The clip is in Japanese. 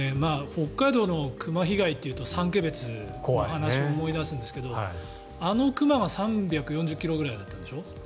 北海道の熊被害で言うと三毛別の話を思い出すんですがあの熊が３４０ｋｇぐらいだったんでしょ。